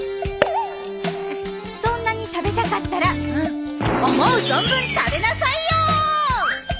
そんなに食べたかったら思う存分食べなさいよ！